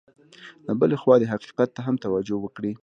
له بلې خوا دې حقیقت ته هم توجه وکړي.